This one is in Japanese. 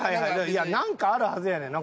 いやなんかあるはずやねんな